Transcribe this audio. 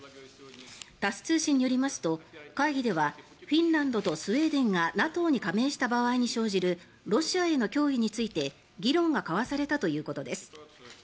タス通信によりますと会議ではフィンランドとスウェーデンがＮＡＴＯに加盟した場合に生じるロシアへの脅威について議論が交わされたということです。